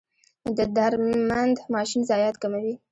د درمند ماشین ضایعات کموي؟